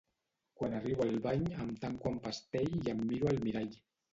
Quan arribo al bany em tanco amb pestell i em miro al mirall.